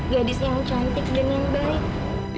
gadis yang cantik dan yang baik